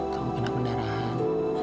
kamu kena penerahan